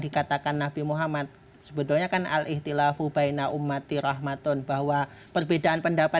dikatakan nabi muhammad sebetulnya kan al ihtilafu baina ummatir rahmatun bahwa perbedaan pendapat